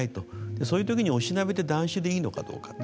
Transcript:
そういうときに押しなべて断酒でいいのかどうかと。